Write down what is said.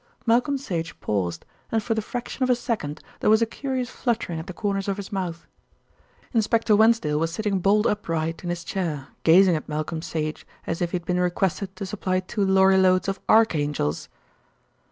Malcolm Sage paused, and for the fraction of a second there was a curious fluttering at the corners of his mouth. Inspector Wensdale was sitting bolt upright in his chair, gazing at Malcolm Sage as if he had been requested to supply two lorry loads of archangels.